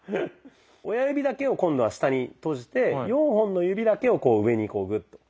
親指だけを今度は下に閉じて４本の指だけを上にこうグッと。